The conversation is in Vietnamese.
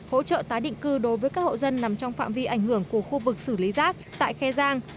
hỗ trợ tái định cư đối với các hộ dân nằm trong phạm vi ảnh hưởng của khu vực xử lý rác tại khe giang